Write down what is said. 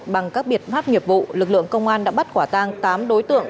bằng các biện pháp nghiệp vụ lực lượng công an đã bắt quả tang tám đối tượng